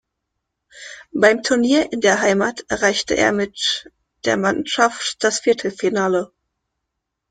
Beim Turnier in der Heimat erreichte er mit der Mannschaft das Viertelfinale.